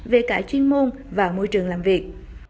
về cả chuyên môn và môi trường làm việc